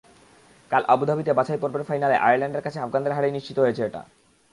কাল আবুধাবিতে বাছাইপর্বের ফাইনালে আয়ারল্যান্ডের কাছে আফগানদের হারেই নিশ্চিত হয়েছে এটা।